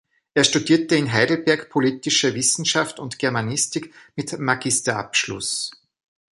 Er studierte in Heidelberg Politische Wissenschaft und Germanistik mit Magisterabschluss.